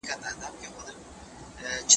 کرنيز محصولات په اسانۍ سره نه صادرېدل.